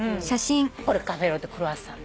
これカフェラテクロワッサンで。